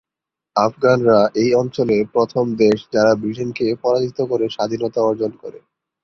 আফগানরা এই অঞ্চলে প্রথম দেশ যারা ব্রিটেনকে পরাজিত করে স্বাধীনতা অর্জন করে।